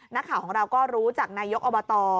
นักข่าวของเราก็รู้จากนายกอบต